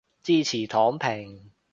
支持躺平